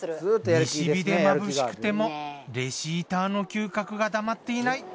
西日でまぶしくてもレシーターの嗅覚が黙っていない。